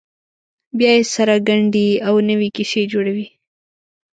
بیا یې سره ګنډي او نوې کیسې جوړوي.